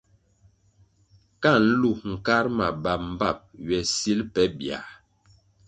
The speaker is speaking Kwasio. Ka nlu nkar ma bap mbpap ywe sil pe biãh.